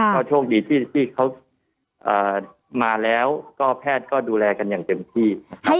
ก็โชคดีที่เขามาแล้วก็แพทย์ก็ดูแลกันอย่างเต็มที่นะครับ